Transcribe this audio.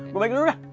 gue balik dulu dah